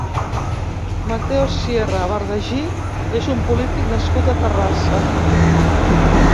Mateo Sierra Bardají és un polític nascut a Terrassa.